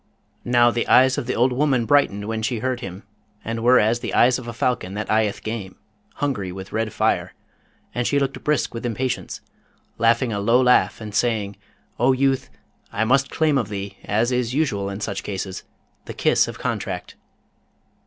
Now, the eyes of the old woman brightened when she heard him, and were as the eyes of a falcon that eyeth game, hungry with red fire, and she looked brisk with impatience, laughing a low laugh and saying, 'O youth, I must claim of thee, as is usual in such cases, the kiss of contract.'